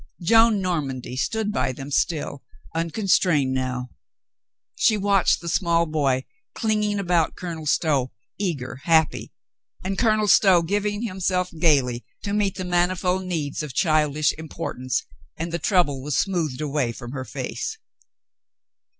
Joan Normandy stood by them, still, uncon strained now. She watched the small boy clinging about Colonel Stow, eager, happy, and Colonel Stow giving himself gaily to meet the manifold needs of A PERSON OF IMPORTANCE 59 childish importance, and the trouble was smoothed away from her face.